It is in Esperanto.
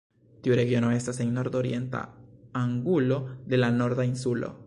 Tiu regiono estas en nordorienta angulo de la Norda Insulo.